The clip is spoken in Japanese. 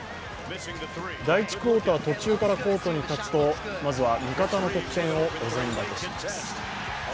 第１クオーター途中からコートに立つとまずは味方の得点をお膳立てします。